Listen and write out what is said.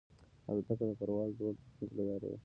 الوتکه د پرواز لوړ تخنیک کاروي.